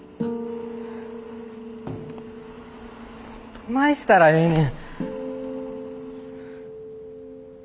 どないしたらええねん。